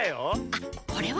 あっこれは？